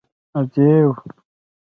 _ادې!!!